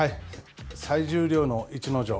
最重量の逸ノ城。